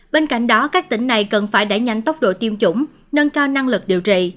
bên cạnh đó các tỉnh này cần phải đẩy nhanh tốc độ tiêm chủng nâng cao năng lực điều trị